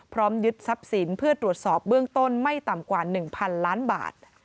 ยึดทรัพย์สินเพื่อตรวจสอบเบื้องต้นไม่ต่ำกว่า๑๐๐๐ล้านบาท